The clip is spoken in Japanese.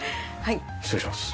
失礼します。